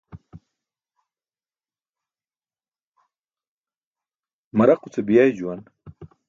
Maraquce biyay juwan.